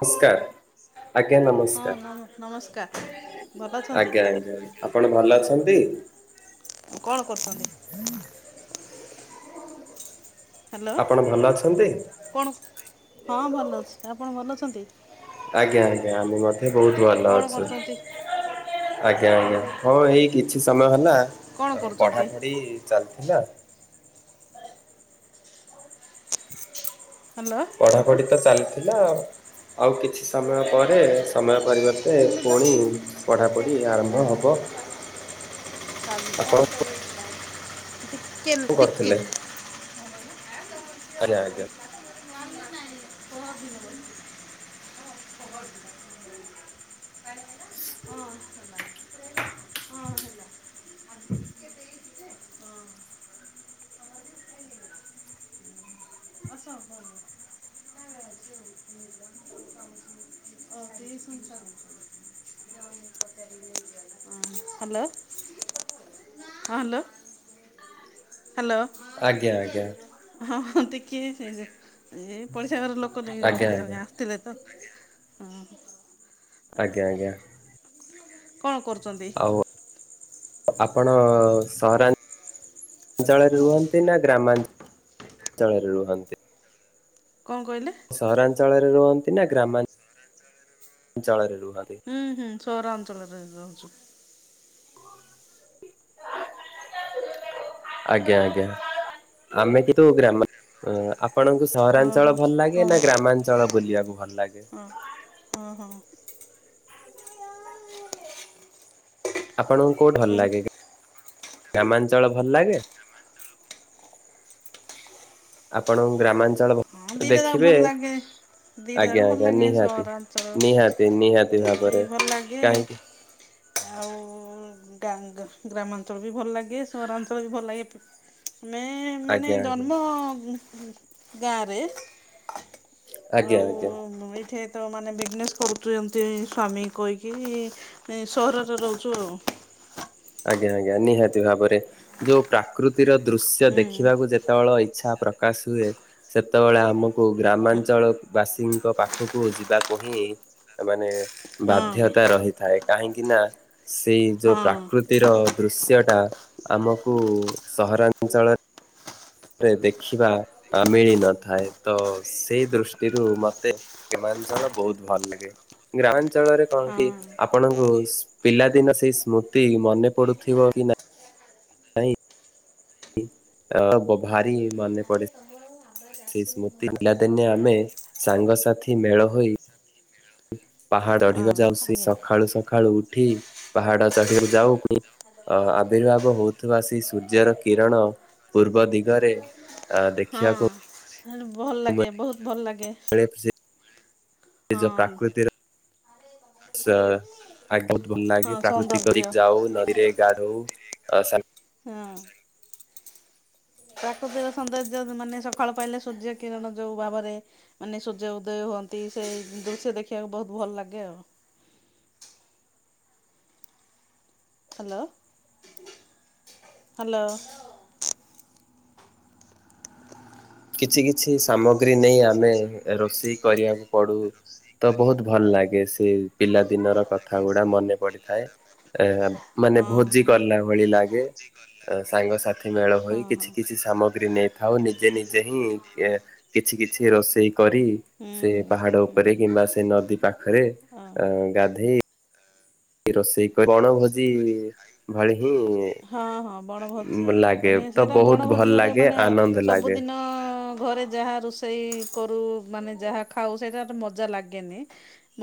ନମସ୍କାର ଆଜ୍ଞା ହଁ ନମ ନମସ୍କାର। ଭଲ ଅଛନ୍ତି ଆଜ୍ଞା ଆଜ୍ଞା। ଆପଣ ଭଲ ଅଛନ୍ତି? କଣ କରୁଛନ୍ତି? ହ୍ୟାଲୋ ଆପଣ ଭଲ ଅଛନ୍ତି? କଣ, ହଁ ଭଲ ଅଛି। ଆପଣ ଭଲ ଅଛନ୍ତି? ଆଜ୍ଞା ଆଜ୍ଞା। ଆମେ ମଧ୍ୟ ବହୁତ ଭଲ କଣ ଅଛୁ। କରୁଛନ୍ତି ଆଜ୍ଞା ଆଜ୍ଞା। ହଁ ଏଇ କିଛି ସମୟ ହେଲା କଣ କରୁଛନ୍ତି ପଢାପଢି ଚାଲିଥିଲା। ହ୍ୟାଲୋ। ପଢାପଢି ତ ଚାଲିଥିଲା ଆଉ ଆଉ କିଛି ସମୟ ପରେ ସମୟ ପରିବର୍ତ୍ତେ ଥିଲି ତ ଟିକେ ପୁଣି ଟିକେ ପଢ଼ାପଢ଼ି ଆରମ୍ଭ ହବ। ଆପଣ [unintelligible] ହ୍ୟାଲୋ ହ୍ୟାଲୋ କରିଥିଲେ, ଆଜ୍ଞା ଆଜ୍ଞା। [unintelligible] [inaudible] [unintelligible] ଅ ହଁ। ହ୍ୟାଲୋ ହଁ ହ୍ୟାଲୋ ହ୍ୟାଲୋ। ଆଜ୍ଞା ଆଜ୍ଞା ହଁ ହଁ। [unintelligible] ଏ ପଡିଶା ଘର ଲୋକ ନେଇ ଆଜ୍ଞା ଗୋଟେ ଜଣେ ଆଜ୍ଞା ଆସିଥିଲେ ତ। ହଁ। ଆଜ୍ଞା ଆଜ୍ଞା। କଣ କରୁଚନ୍ତି? ଆଉ ଆପଣ ସହରା ଅଞ୍ଚଳରେ ରୁହନ୍ତି ନା ଗ୍ରାମା ଅଞ୍ଚଳରେ ରୁହନ୍ତି? କଣ କହିଲେ? ସହରାଞ୍ଚଳରେ ରୁହନ୍ତି ନା ଗ୍ରାମା [unintelligible] ଞ୍ଚଳରେ ରୁହନ୍ତି। ହୁଁ ହୁଁ ସହରାଞ୍ଚଳରେ ରହୁଚୁ। ଆଜ୍ଞା ଆଜ୍ଞା। ଆମେ କିନ୍ତୁ ଗ୍ରାମା ଅ ଆପଣଙ୍କୁ ହଁ ହୋ ସହରାଞ୍ଚଳ ଭଲ ଲାଗେ ନା ଗ୍ରାମାଞ୍ଚଳ ବୁଲିବାକୁ ଭଲ ଲାଗେ? ଅ ଅ ହଁ। ଆପଣଙ୍କୁ କୋଉଠି ଭଲ ଆଉ ଲାଗେ? ଗ୍ରାମାଞ୍ଚଳ ଭଲ ଲାଗେ? ଆପଣଙ୍କୁ ଗ୍ରାମାଞ୍ଚଳ ହଁ ଭ ଦିଟା ଯାକ ଦେଖିବେ ଭଲ ଲାଗେ। ଦିଟା ଯାକ ଆଜ୍ଞା ଭଲ ଆଜ୍ଞା ଲାଗେ ନିହାତି ସହରାଞ୍ଚଳ ନିହାତି ନିହାତି ବି ଭାବରେ। ଭଲ ଲାଗେ କାହିଁକି ଆଉ ଗାଁ ଗା-ଗ୍ରାମାଞ୍ଚଳ ବି ଭଲ ଲାଗେ ସହରାଞ୍ଚଳ ବି ଭଲ ଲାଗେ। ଆମେ ମାନେ ଆଜ୍ଞା ଆଜ୍ଞା ଜନ୍ମ ଗାଁରେ। ଆଜ୍ଞା ଆଉ ଆଜ୍ଞା। ଏଇଠେ ତ ମାନେ ବିଜନେସ୍ କରୁଚୁ ଏମିତି ସ୍ୱାମୀ ଙ୍କି କହିକି ସହରରେ ରହୁଚୁ ଆଉ। ଆଜ୍ଞା ଆଜ୍ଞା ନିହାତି ଭାବରେ। ଯୋଉ ପ୍ରାକୃତିର ଦୃଶ୍ୟ ଦେଖିବାକୁ ହୁଁ ଯେତେବେଳ ଇଚ୍ଛା ପ୍ରକାଶ ହୁଏ ସେତେବେଳେ ଆମକୁ ଗ୍ରାମାଞ୍ଚଳ ବାସୀଙ୍କ ପାଖକୁ ଯିବାକୁ ହିଁ ମାନେ ହଁ ବାଧ୍ୟତା ରହିଥାଏ। କାହିଁକି ନା ସେଇ ଯୋଉ ପ୍ରା ହଁ। ପ୍ରକୃତିର ଦୃଶ୍ୟଟା ଆମକୁ ସହରାଞ୍ଚଳରେ ଦେଖିବା ମିଳିନଥାଏ। ତ ସେ ଦୃଷ୍ଟିରୁ ମତେ ଗ୍ରାମାଞ୍ଚଳ ବହୁତ ଭଲ ଲାଗେ। ଗ୍ରାମାଞ୍ଚଳରେ କଣ କି ହଁ। ଆପଣଙ୍କୁ ପିଲାଦିନ ସେଇ ସ୍ମୃତି ମନେ ପଡୁଥିବ କି ନା [unintelligible] ଭାରି ମାନେ ପଡେ [unintelligible] ସେଇ ସ୍ମୃତି ଭଲସେ। ପିଲା ଦିନେ ଆମେ ସାଙ୍ଗସାଥି ମେଳ ହୋଇ ପାହାଡଢିକ ହଁ ଯାଉ ସେ ଆଜ୍ଞା ସକାଳୁ ସକାଳୁ ଉଠି ପାହାଡ ଚଢିବାକୁ ଯାଉ। ପୁଣି ଅ ଆବିର୍ଭାବ ହଉଥିବା ସେଇ ସୂର୍ଯ୍ୟର କିରଣ, ପୂର୍ବ ଦିଗରେ ଆ ଦେଖିବାକୁ ହଁ ଭଲ ଲାଗେ। ବୋହୁତ୍ ଭଲ ଲାଗେ। ସେ ଏ ଯୋଉ ହଁ ପ୍ରାକୃତିର ଆଚ୍ଛା। ଆ ବହୁତ ଭଲ ହଁ ଲାଗେ। ପ୍ରାକୃତି ସୌନ୍ଦର୍ଯ୍ୟ କରି ହଁ। ଯାଉ ନଦୀରେ ଗାଧଉ ଆଶା ହଁ। ପ୍ରାକୃତିକ ସୌନ୍ଦର୍ଯ୍ୟ ମାନେ ସକାଳୁ ପାଇଲେ ସୂର୍ଯ୍ୟ କିରଣ ଯୋଉ ଭାବରେ ମାନେ ସୂର୍ଯ୍ୟ ଉଦୟ ହୁଅନ୍ତି। ସେଇ ଦୃଶ୍ୟ ଦେଖିବାକୁ ବହୁତ ଭଲ ଲାଗେ ଆଉ। ହାଲୋ। ହାଲୋ। କିଛି କିଛି ସାମଗ୍ରୀ ନେଇ ଆମେ ରୋଷେଇ କରିବାକୁ ପଡୁ ତ ବହୁତ ଭଲ ଲାଗେ ସେ ପିଲାଦିନର କଥା ଗୁଡା ମନେ ପଡ଼ିଥାଏ। ଏ ମାନେ ହଁ ଭୋଜି ହଁ କଲା ଭଳି ଲାଗେ ସାଙ୍ଗସାଥି ମେଳ ହଁ ହୋଇ ହଁ କିଛି କିଛି ସାମଗ୍ରୀ ନେଇଥାଉ ନିଜେ ନି ଯେ ହିଁ ଏ କିଛି କିଛି ରୋଷେଇ କରି ହୁଁ ସେ ପାହାଡ ହୁଁ ହୁଁ ଉପରେ କିମ୍ବା ସେ ନଦୀ ପାଖରେ ଓହୋ। ଅ ଗାଧେଇ ରୋଷେଇ କରି ବଣ ଭୋଜି ଭଳି ହିଁ ହଁ ହଁ ବଣଭୋଜି ଉଁ ଲାଗେ। ମାନେ ତ ସେଇଟା ବହୁତ ବଣଭୋଜି ଭଲ ଗୋଟେ ଲାଗେ, ମାନେ ଆନନ୍ଦ ଲାଗେ। ସବୁଦିନ ଘରେ ଯାହା ରୋଷେଇ କରୁ ମାନେ ଯାହା ଖାଉ ସେଟା ତ ମଜା ଲାଗେନି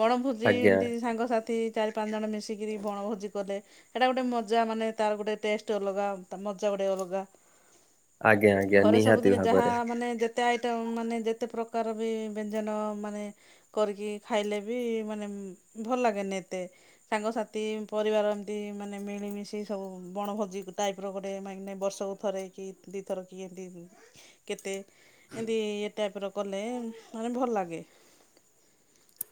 ବଣଭୋଜି ଆଜ୍ଞା। ଏମିତି ସାଙ୍ଗସାଥି ଚା ପାଞ୍ଚ ଜଣ ମିଶିକିରି ବଣଭୋଜି କଲେ, ସେଇଟା ଗୋଟେ ମଜା ମାନେ ତାର ଗୋଟେ ଟେଷ୍ଟ ଟେ ଅଲଗା ତା ମଜା ଗୋଟେ ଅଲଗା ଆଜ୍ଞା ଆଜ୍ଞା ଘରେ ନିହାତି ସବୁଦିନ ଯାହା ଭାବରେ ମାନେ ଯେ କେତେ ଆଇଟମ୍ ମାନେ ଯେତେ ପ୍ରକାର ବି ବ୍ୟଞ୍ଜନ ମାନେ କରିକି ଖାଇଲେ ବି ମାନେ ଭଲ ଲାଗେନି ଏତେ। ସାଙ୍ଗସାଥି ପରିବାର ଏମତି ମାନେ ମିଳିମିଶି ସବୁ ବଣ ଭୋଜି ଟାଇପ୍ର ଗୋଟେ ମାନେ ବର୍ଷକୁ ଥରେ କି ଦୁଇଥର କି ଏମିତି କେତେ ଏମିତି ଏ ଟାଇପ୍ ର କଲେ ମାନେ ଭଲ ଲାଗେ।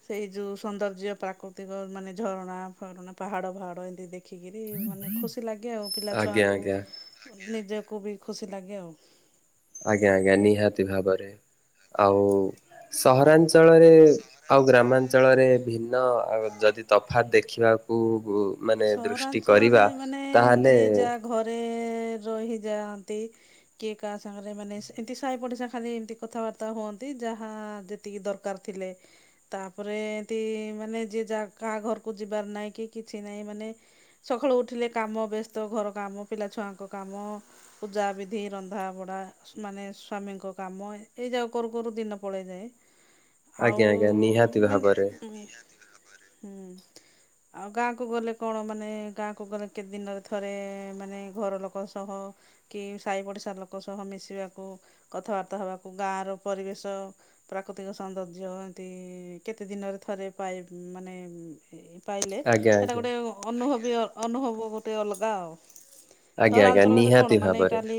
ସେଇ ଯୋଉ ସୌନ୍ଦର୍ଯ୍ୟ ପ୍ରାକୃତିକ ମାନେ ଝରଣା, ଫରଣା, ପାହାଡ, ପାହାଡ ଏମିତି ଦେ ରଖିକିରି ମାନେ ଖୁସି ଲାଗେ ଆଉ, ଆଜ୍ଞା ପିଲାଛୁଆଙ୍କୁ ଆଜ୍ଞା ନିଜକୁ ବି ଖୁସି ଲାଗେ ଆଉ। ଆଜ୍ଞା, ଆଜ୍ଞା ନିହାତି ଭାବରେ ଆଉ ସହରାଞ୍ଚ ଞ୍ଚଳରେ ଆଉ ଗ୍ରାମାଞ୍ଚଳରେ ଭିନ୍ନ ଯଦି ତ ଦେଖିବାକୁ ମାନେ ଦୃଷ୍ଟି ସହରାଞ୍ଚଳରେ କରିବା ମାନେ ତାହେଲେ ଯିଏ ଯାହା ଘରେ ରହିଯାଆନ୍ତି। କିଏ କାହା ସାଙ୍ଗରେ ମାନେ ଏମିତି ସାହି ପଡିଶ ଖାଲି ଏମତି କଥାବାର୍ତ୍ତା ହୁଅନ୍ତି ଯାହା ଏତିକି ଦରକାର ଥିଲେ ତାପରେ ଏମତି ମାନେ ଯିଏ କାହା ଘରକୁ ଯିବାର ନାହିଁ କି କିଛି ନାହିଁ ମାନେ ସକାଳୁ ଉଠିଲେ କାମ ବ୍ୟସ୍ତ ଘର କାମ ପିଲାଛୁଆଙ୍କ କାମ ପୂଜା ବିଧି ରଧା ବଡ଼ା ମାନେ ସ୍ଵାମୀଙ୍କ କାମ ଏଇ ଯା କରୁ କରୁ ଦିନ ପଳେଇ ଯାଏ। ଆଉ ଆଜ୍ଞା ଆଜ୍ଞା ନିହାତି ମ ଭାବରେ ହୁଁ ଆଉ ଗାଁକୁ ଗଲେ କଣ ମାନେ ଗାଁକୁ ଗଲେ କେତେ ଦିନରେ ଥରେ ମାନେ ଘର ଲୋକ ସହ କି ସାହି ପଡିଶା ଲୋକ ସହ ମିଶିବାକୁ କଥାବାର୍ତ୍ତା ହବାକୁ ଗାଁ ର ପରିବେଶ ପ୍ରାକୃତିକ ସୌନ୍ଦର୍ଯ୍ୟ ଏମତି କେତେ ଦିନରେ ଥରେ ପାଇ ମାନେ ଏ-ଏ ପାଇଲେ ଆଜ୍ଞା ସେଇଟା ଆଜ୍ଞା ଗୋଟେ ଅନୁଭବୀ ଅନୁଭବ ଗୋଟେ ଅଲଗା ଆଉ। ଆଜ୍ଞା ଆଜ୍ଞା ସହରାଞ୍ଚଳରେ କଣ ନିହାତି ମାନେ ଭାବରେ କାଲି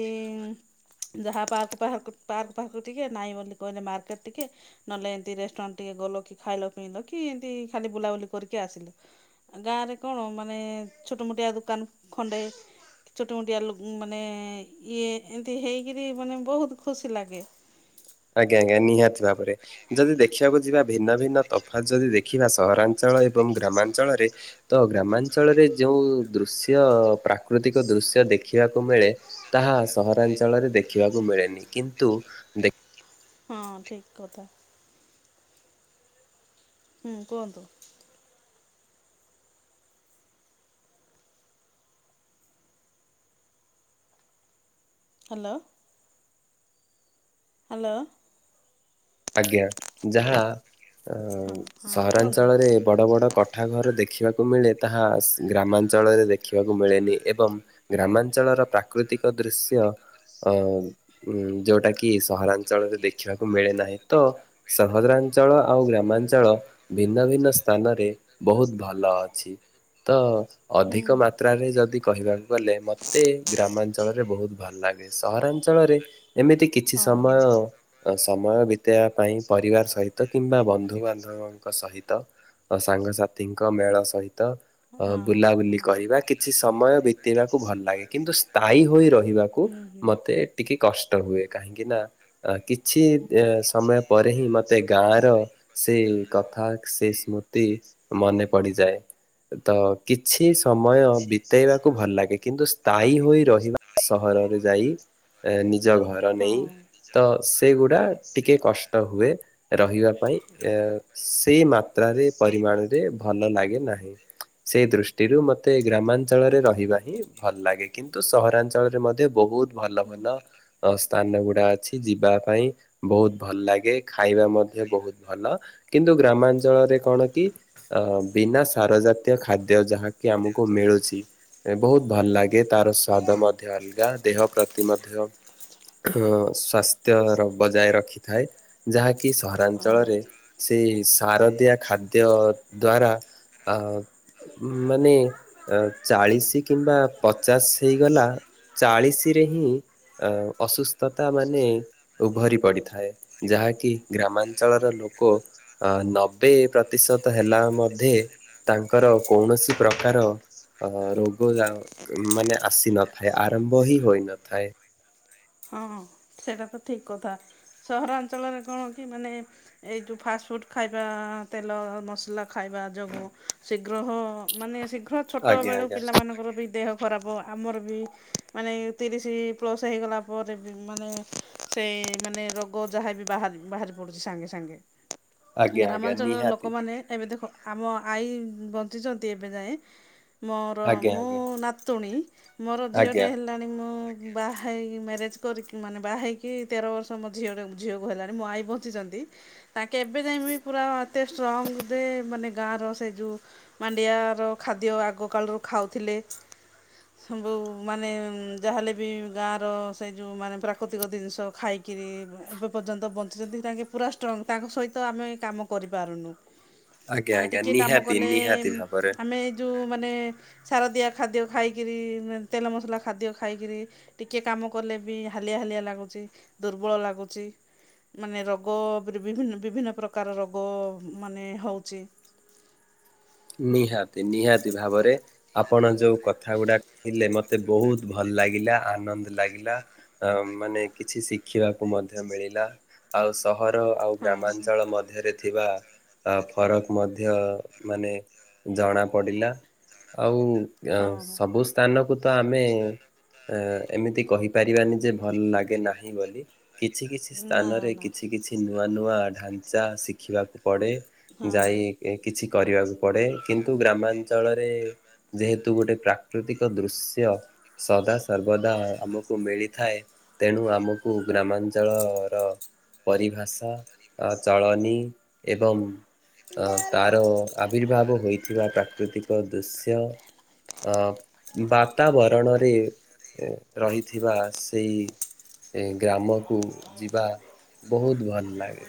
ଯାହା ପାର୍କ ଫାର୍କ କୁ ପାର୍କ ଫାର୍କ କୁ ଟିକେ ନାଇଁ ବୋଲି କହିଲେ ମାର୍କେଟ ଟିକେ ନହେଲେ ଏମିତି ରେଷ୍ଟୁରାଣ୍ଟ ଟିକେ ଗଲ କି ଖାଇଲ ପିଇଲ କି ଏମତି ଖାଲି ବୁଲାବୁଲି କରିକି ଆସିଲ। ଗାଁ ରେ କଣ ମାନେ ଛୋଟମୋଟିଆ ଦୋକାନ ଖଣ୍ଡେ। ଛୋଟ ମୋଟିଆ ଲୁ ମାନେ ଇଏ ଏମିତି ହେଇକିରି ମାନେ ବହୁତ ଖୁସି ଲାଗେ। ଆଜ୍ଞା ଆଜ୍ଞା ନିହାତି ଭାବରେ ଯଦି ଦେଖିବାକୁ ଯିବା ଭିନ୍ନ ଭିନ୍ନ ତଫାତ୍ ଯଦି ଦେ ଖିବା ସହରାଞ୍ଚଳ ଏବଂ ଗ୍ରାମାଞ୍ଚଳରେ ତ ଗ୍ରାମାଞ୍ଚଳରେ ଯେଉ ଦୃଶ୍ୟ ପ୍ରାକୃତିକ ଦୃଶ୍ୟ ଦେଖିବାକୁ ମିଳେ। ତାହା ସହରାଞ୍ଚଳରେ ଦେଖିବାକୁ ମିଳେନି କିନ୍ତୁ ଦେ ହଁ ଠିକ୍ କଥା। ହୁଁ କୁହନ୍ତୁ। ହାଲୋ। ହାଲୋ। ଆଜ୍ଞା ଯାହା ହଁ ହଁ କୁହନ୍ତୁ ସହରାଞ୍ଚଳରେ ବଡ଼ ବଡ଼ କଠା ଠାଘର ଦେଖିବାକୁ ମିଳେ ତାହା ଗ୍ରାମାଞ୍ଚଳରେ ଦେଖିବାକୁ ମିଳେନି। ଏବଂ ଗ୍ରାମାଞ୍ଚଳର ପ୍ରାକୃତିକ ଦୃଶ୍ୟ ଅ ଉ ଯୋଉଟା କି ସହରା ଞ୍ଚଳ ରେ ଦେଖିବାକୁ ମିଳେ ନାହିଁ ତ ସହଦ୍ରାଞ୍ଚଳ ଆଉ ଗ୍ରା ମାଞ୍ଚଳ ଭିନ୍ନ ଭିନ୍ନ ସ୍ଥାନରେ ବହୁତ ଭଲ ଅଛି ତ ହୁଁ ଅଧିକ ହୁଁ। ମାତ୍ରାରେ ଯଦି କହିବାକୁ ଗଲେ ମତେ ଗ୍ରାମାଞ୍ଚଳରେ ବହୁତ ଭଲ ଲାଗେ। ସହରାଞ୍ଚଳରେ ଏମିତି କିଛି ସମୟ ସମୟ ବିତେଇବା ପାଇଁ ପରିବାର ସହିତ କିମ୍ବା ବନ୍ଧୁ ବାନ୍ଧବ କ ସହିତ ସାଙ୍ଗସାଥିଙ୍କ ମେଳ ସହିତ। ହଁ ଅ ବୁଲାବୁଲି ହଁ। କରିବା କିଛି ସମୟ ବିତେଇବାକୁ ଭଲ ଲାଗେ କିନ୍ତୁ ସ୍ଥାୟୀ ହୋଇ ରହିବାକୁ କୁ ହୁଁ ହୁଁ ମତେ ଟିକେ କଷ୍ଟ ହୁଏ କାହିଁକି ନା ଆ କିଛି ସମୟ ପରେ ହିଁ ମତେ ଗାଁ ର ସେ କଥା ସେ ସ୍ମୃତି ମନେ ପଡ଼ିଯାଏ ତ କିଛି ସମୟ ବିତେଇବାକୁ ଭଲ ଲାଗେ କିନ୍ତୁ ସ୍ଥାୟୀ ହୋଇ ରହିବା ସହରରେ ଯାଇ ଏ ନିଜ ଘର ନେଇ ହଁ। ତ ସେଗୁଡା ଟିକେ କଷ୍ଟ ହୁଏ ରହିବା ପାଇଁ ଏ ସେଇ ମାତ୍ରାରେ ପରିମାଣରେ ଭଲ ଲାଗେ ନାହିଁ ସେଇ ଦୃଷ୍ଟିରୁ ମତେ ଗ୍ରାମା ଅଞ୍ଚଳରେ ରହିବା ହିଁ ଭଲ ଲାଗେ କିନ୍ତୁ ସହରାଞ୍ଚଳରେ ମଧ୍ୟ ବହୁତ ଭଲ ଭଲ ଅ ସ୍ଥାନ ଗୁଡା ଅଛି ଯିବା ପାଇଁ ବହୁତ ଭଲ ଲାଗେ। ଖାଇବା ମଧ୍ୟ ବହୁତ ଭଲ କିନ୍ତୁ ଗ୍ରାମାଞ୍ଚଳରେ କଣ କି? ଅ ବିନା ସାର ଜାତୀୟ ଖାଦ୍ୟ ଯାହାକି ଆମକୁ ମିଳୁଛି। ବହୁତ ଭଲ ଲାଗେ ତାର ସ୍ଵାଦ ମଧ୍ୟ ଅଲଗା ଦେହ ପ୍ରତି ମଧ୍ୟ ଅ ସ୍ୱାସ୍ଥ୍ୟର ବଜାୟ ରଖିଥାଏ ଯାହାକି ସହରାଞ୍ଚଳରେ ହଁ ସେଇ ସାରଦିଆ ଖାଦ୍ୟ ଦ୍ଵାରା ଅ ଉ ମାନେ ଚାଳିଶ କିମ୍ବା ପଚାଶ ହେଇଗଲା। ଚାଳିଶରେ ହିଁ ଅ ଅସୁସ୍ଥତା ମାନେ ଉଭରି ପଡ଼ିଥାଏ ଯାହାକି ଗ୍ରାମାଞ୍ଚଳର ଲୋକ ଅ ନବେ ପ୍ରତିଶତ ହେଲା ମଧ୍ୟ ତାଙ୍କର କୌଣସି ପ୍ରକାର ଅ ରୋଗ ଆ ମାନେ ଆସି ନଥାଏ ଆରମ୍ଭ ହିଁ ହୋଇନଥାଏ। ହଁ ହଁ। ସେଇଟା ତ ଠିକ୍ କଥା ସହରାଞ୍ଚଳରେ କଣ କି ମାନେ ଏଇ ଯଉ ଫାଷ୍ଟଫୁଡ଼୍ ଖାଇବା ତେଲ ମସଲା ଖାଇବା ଯୋଗୁ ଶୀଘ୍ର ମାନେ ଶୀଘ୍ର ଆଜ୍ଞା ଛୋଟବେଳୁ ଆଜ୍ଞା ପିଲାମାନଙ୍କର ବି ଦେହ ଖରାପ ଆମର ବି ମାନେ ତିରିଶି ପ୍ଲସ୍ ହେଇଗଲା ପରେ ବି ମାନେ ସେ ମାନେ ରୋଗ ଯାହା ବି ବାହାରି ବାହାରି ପଡ଼ୁଚି ସାଙ୍ଗେ ସାଙ୍ଗେ। ଆଜ୍ଞା ଆଜ୍ଞା ଗ୍ରାମାଞ୍ଚଳର ନିହାତି ଲୋକମାନେ ଏବେ ଦେଖ ଆମ ଆଈ ବଞ୍ଚିଚନ୍ତି ଏବେ ଯାଏଁ। ମୋର ଆଜ୍ଞା ମୁଁ ଆଜ୍ଞା ନାତୁଣୀ ମୋର ଝିଅଟେ ଆଜ୍ଞା ହେଲାଣି ମୁଁ ବାହା ହେଇକି ମ୍ୟାରେଜ୍ କରିକି ମାନେ ବାହାହେଇକି ତେର ବର୍ଷ ମୋ ଝିଅର ଝିଅକୁ ହେଲାଣି, ମୋ ଆଈ ବଞ୍ଚିଚନ୍ତି ତାଙ୍କେ ଏବେ ଯାଇଁ ବି ପୁରା ଏତେ ଷ୍ଟ୍ରଙ୍ଗରେ ମାନେ ଗାଁର ସେ ଯୋଉ ମାଣ୍ଡିଆର ଖାଦ୍ୟ ଆଗକାଳରୁ ଖାଉଥିଲେ ସବୁଁ ମାନେ ଯାହା ହେଲେ ବି ଗାଁର ସେ ଯୋଉଁ ମାନେ ପ୍ରାକୃତିକ ଦିନିଷ ଖାଇକିରି, ଏବେ ପର୍ଯ୍ୟନ୍ତ ବଞ୍ଚିଚନ୍ତି ହେଇରା କି ପୁରା ଷ୍ଟ୍ରଙ୍ଗ୍, ତାଙ୍କ ସହିତ ଆମେ କାମ କରିପାରୁନୁ। ଆଜ୍ଞା ଆମେ ଆଜ୍ଞା ଟିକେ କାମ ନିହାତି କଲେ, ନିହାତି ଭାବରେ ଆମେ ଏ ଯୋଉ ମାନେ ସାରଦିଆ ଖାଦ୍ୟ ଖାଇକିରି, ମାନେ ତେଲ ମସଲା ଖାଦ୍ୟ ଖାଇକିରି, ଟିକେ କାମ କଲେ ବି, ହାଲିଆ ହାଲିଆ ଲାଗୁଚି, ଦୁର୍ବଳ ଲାଗୁଚି ମାନେ ରୋଗ ପରି ବିଭିନ୍ନ ବିଭିନ୍ନ ପ୍ରକାର ରୋଗ ମାନେ ହଉଚି ନିହାତି, ନିହାତି ଭାବରେ, ଆପଣ ଯୋଉ କଥା ଗୁଡା କହିଲେ ମତେ ମତେ ବହୁତ ଭଲ ଲାଗିଲା, ଆନନ୍ଦ ଲାଗିଲା ଆଉ ମାନେ କିଛି ଶିଖିବାକୁ ମଧ୍ୟ ମିଳିଲା ଆଉ ସହର, ଆଉ ହଁ ହଁ ଗ୍ରାମାଞ୍ଚଳ ମଧ୍ୟରେ ଥିବା ଆ ଫରକ ମଧ୍ୟ ମାନେ ଜଣା ପଡ଼ିଲା। ଆଉ ଅଁ ହଁ ହଁ ସବୁ ସ୍ଥାନକୁ ତ ଆମେ ଏ ଏମିତି କହିପାରିବାନି ଯେ ଭଲ ଲାଗେ ନାହିଁ ବୋଲି, କିଛି କିଛି ନା ସ୍ଥାନରେ ନା। କିଛି କିଛି ନୂଆ ନୂଆ ଢାଞ୍ଚା ଶିଖିବାକୁ ପଡେ, ଯାଇଁ କିଛି କରିବାକୁ ପଡେ କିନ୍ତୁ ଗ୍ରାମାଞ୍ଚଳରେ ଯେହେତୁ ଗୋଟେ ପ୍ରାକ୍ ପ୍ରାକୃତିକ ଦୃଶ୍ୟ ସଦା ସର୍ବଦା ଆମକୁ ମିଳିଥାଏ ତେଣୁ ଆମକୁ ଗ୍ରାମାଞ୍ଚଳର ପରିଭାଷା, ଅ ଚଳନି ଏବଂ ଅ ତାର ଆବିର୍ଭାବ ହୋଇଥିବା ପ୍ରାକୃତିକ ଦୃଶ୍ୟ ଅ ବାତାବରଣରେ ଏଁ ରହିଥିବା ସେଇ ଗ୍ରାମକୁ ଯିବା ବହୁତ ଭଲ ଲାଗେ।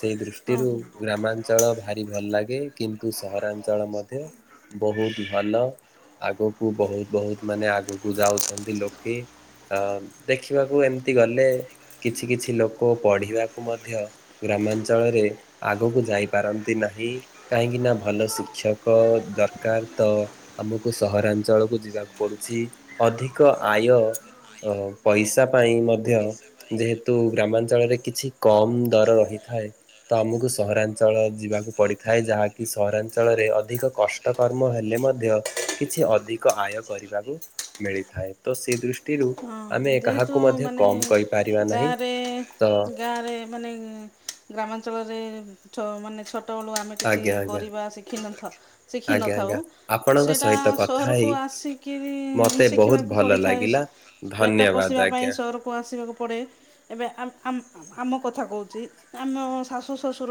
ସେଇ ହଁ ଦୃଷ୍ଟିରୁ ହଁ ହଁ। ଗ୍ରାମାଞ୍ଚଳ ଭାରି ଭଲ ଲାଗେ କିନ୍ତ କିନ୍ତୁ ସହରାଞ୍ଚଳ ମଧ୍ୟ ବହୁତ ଭଲ ଆଗକୁ ବହୁତ ବହୁତ ମାନେ ଆଗକୁ ଯାଉଛ। ବି ଲୋକେ ଅ ଦେଖିବାକୁ ଏମତି ଗଲେ କିଛି କିଛି ଲୋକ ପଢିବାକୁ ମଧ୍ୟ ଗ୍ରାମାଞ୍ଚଳରେ ଆଗକୁ ଯାଇ ପାରନ୍ତି ନାହିଁ, କାହିଁକିନା ଭଲ ଶିକ୍ଷକ ଓ ଦରକାର ତ ଆମକୁ ସହରାଞ୍ଚଳକୁ ଯିବାକୁ। ପଡୁଛି ଅଧିକ ଆୟ ଅ ପଇସା ପାଇଁ ମଧ୍ୟ ଯେହେତୁ ଗ୍ରାମାଞ୍ଚଳରେ କିଛି କମ ଦର ରହିଥାଏ ତ ଆମକୁ ସହରାଞ୍ଚଳ ଯିବାକୁ ପଡିଥା ଥାଏ, ଯାହାକି ସହରାଞ୍ଚଳରେ ଅଧିକ କଷ୍ଟ କର୍ମ ହେଲେ ମଧ୍ୟ କିଛି ଅଧିକ ଆୟ କରିବାକୁ ମିଳିଥାଏ। ତ ସେ ଦୃଷ୍ଟିରୁ ଆମେ ହଁ ଯେହେତୁ କାହାକୁ ମଧ୍ୟ ମାନେ କମ୍ କହିପାରିବା ନାହିଁ। ଗାଁରେ ତ ଗାଁରେ ମାନେ, ଉଁ ଗ୍ରାମାଞ୍ଚଳରେ ଛୋ ମାନେ ଛୋଟବେଳୁ ଆମେ କିଛି ଆଜ୍ଞା ଆଜ୍ଞା କରିବା ଶିଖିନଥା ଆଜ୍ଞା ଶିଖିନଥାଉ। ଆଜ୍ଞା ଆପଣଙ୍କ ସେଇଟା ସହିତ କଥା ସହରକୁ ହେଇ ଆସିି କିରି ମତେ ବହୁତ ଶିଖିବାକୁ ଭଲ ପଡ଼ିଥାଏ। ଲାଗିଲା ପେଟ ଧନ୍ୟବାଦ ପୋଷିବା ପାଇଁ ଆଜ୍ଞା। ସହରକୁ କୁ ଆସିବାକୁ ପଡ଼େ। ଏବେ ଆ-ଆମ୍-ଆମ୍-ଆମ କଥା କହୁଛି, ଆମ ଶାଶୂ ଶ୍ଵଶୁର